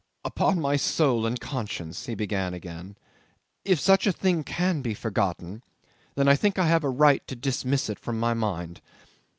"Upon my soul and conscience," he began again, "if such a thing can be forgotten, then I think I have a right to dismiss it from my mind.